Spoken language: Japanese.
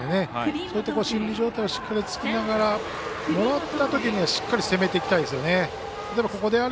そういう心理状態をつきながらもらったときにしっかり攻めていきたいですよね。